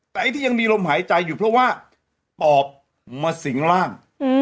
แต่ไอ้ที่ยังมีลมหายใจอยู่เพราะว่าปอบมาสิงร่าง